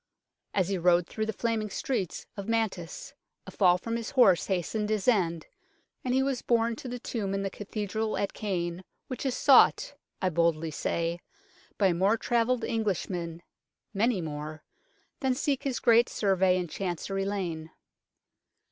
As he rode through the flaming streets of Mantes, a fall from his horse hastened his end, and he was borne to the tomb in the Cathedral at Caen which is sought, I boldly say, by more travelled Englishmen many more than seek his great Survey in Chancery Lane.